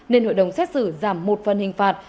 nên hội đồng xét xử giảm một phần hình phạt